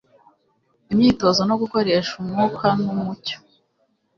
Imyitozo no gukoresha umwuka numucyo